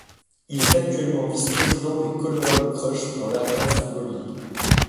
Il est actuellement vice-président des Colorado Crush dans l'Arena Football League.